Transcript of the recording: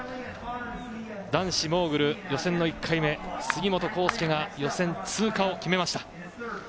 男子モーグル予選の１回目杉本幸祐が予選通過を決めました。